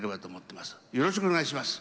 よろしくお願いします。